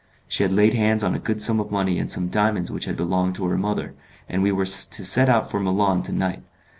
She had laid hands on a good sum of money and some diamonds which had belonged to her mother, and we were to set out for Milan to night.